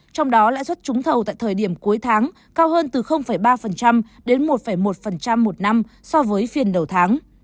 trong đó lãi suất trúng thầu tại thời điểm cuối tháng cao hơn từ ba đến một một năm so với phiên đầu tháng